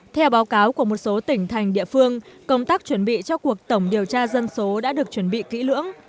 theo báo cáo của một số tỉnh thành địa phương công tác chuẩn bị cho cuộc tổng điều tra dân số đã được chuẩn bị kỹ lưỡng